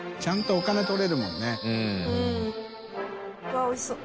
わっおいしそう。